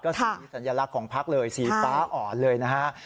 สีสัญลักษณ์ของพักเลยสีฟ้าอ่อนเลยนะฮะ